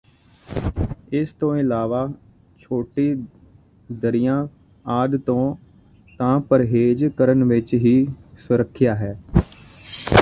ਇਸ ਤੋਂ ਇਲਾਵਾ ਛੋਟੀਆਂ ਦਰੀਆਂ ਆਦਿ ਤੋਂ ਤਾਂ ਪਰਹੇਜ਼ ਕਰਨ ਵਿਚ ਹੀ ਸੁਰੱਖਿਆ ਹੈ